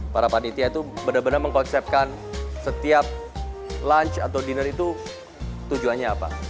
para panitia itu benar benar mengkonsepkan setiap lunch atau dinner itu tujuannya apa